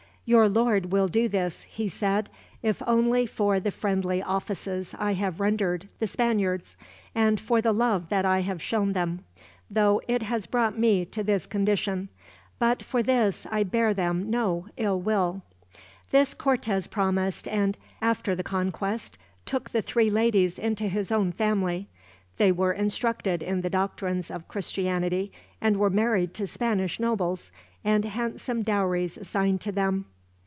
"Your lord will do this," he said, "if only for the friendly offices I have rendered the Spaniards; and for the love that I have shown them, though it has brought me to this condition; but for this I bear them no ill will." This Cortez promised and, after the conquest, took the three ladies into his own family. They were instructed in the doctrines of Christianity, and were married to Spanish nobles, and handsome dowries assigned to them.